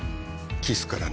キスからね。